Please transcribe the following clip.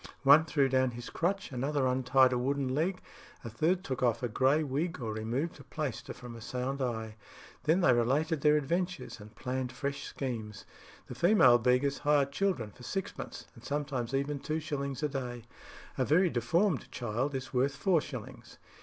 One threw down his crutch, another untied a wooden leg, a third took off a grey wig or removed a plaister from a sound eye; then they related their adventures, and planned fresh schemes. The female beggars hire children for sixpence and sometimes even two shillings a day: a very deformed child is worth four shillings."